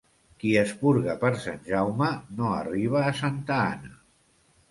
Qui es purga per Sant Jaume, no arriba a Santa Anna.